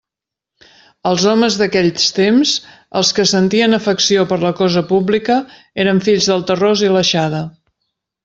Els homes d'aquells temps, els que sentien afecció per la cosa pública, eren fills del terròs i l'aixada.